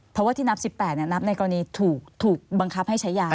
เพราะว่าที่นับ๑๘นับในกรณีถูกบังคับให้ใช้ยา